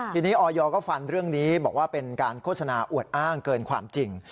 ทีนี้ออยก็ฟันเรื่องนี้บอกว่าเป็นการโฆษณาอวดอ้างเกินความจริง